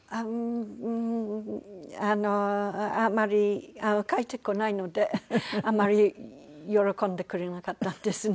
うーんあまり帰ってこないのであまり喜んでくれなかったんですね